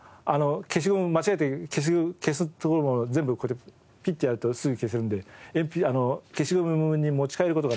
消しゴム間違えて消すところも全部こうやってピッてやるとすぐ消せるんで消しゴムに持ち替える事がない。